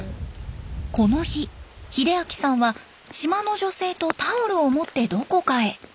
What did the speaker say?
この日秀明さんは島の女性とタオルを持ってどこかへ。